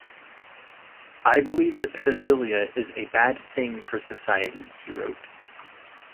"I believe that pedophilia is a bad thing for society," he wrote.